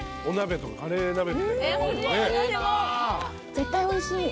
絶対おいしい。